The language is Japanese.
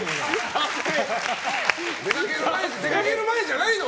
出かける前じゃないの？